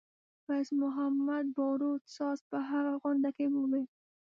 فیض محمدباروت ساز په هغه غونډه کې وویل.